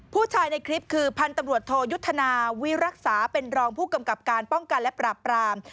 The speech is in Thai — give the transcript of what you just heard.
ในคลิปคือพันธุ์ตำรวจโทยุทธนาวิรักษาเป็นรองผู้กำกับการป้องกันและปราบปราม